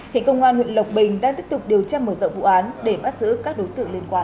hiện công an huyện lộc bình đang tiếp tục điều tra mở rộng vụ án để bắt giữ các đối tượng liên quan